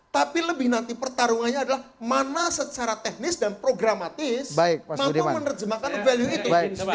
tapi lebih nanti pertarungannya adalah mana secara teknis dan programatis mampu menerjemahkan value itu